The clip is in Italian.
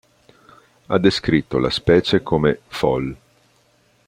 Ha descritto la specie come "fol.